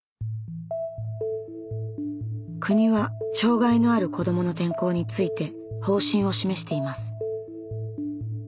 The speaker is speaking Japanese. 国は障害のある子どもの転校について方針を示しています。